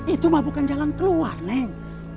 itu mah bukan jalan keluar neng